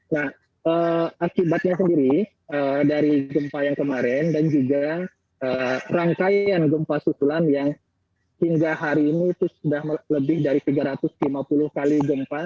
nah akibatnya sendiri dari gempa yang kemarin dan juga rangkaian gempa susulan yang hingga hari ini itu sudah lebih dari tiga ratus lima puluh kali gempa